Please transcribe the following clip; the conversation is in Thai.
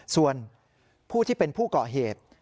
ส่วนผู้ที่เป็นผู้ก่อเหตุ